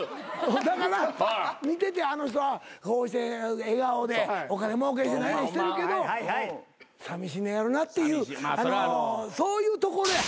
だから見ててあの人は笑顔でお金もうけして何々してるけどさみしいんやろなっていうそういうところや。